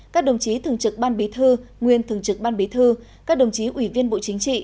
các đồng chí thường trực ban bí thư nguyên thường trực ban bí thư các đồng chí ủy viên bộ chính trị